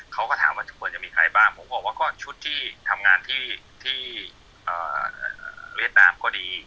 เขาก็ถามว่าควรจะมีใครบ้างผมบอกว่าก็ชุดที่ทำงานที่เวียดนามก็ดี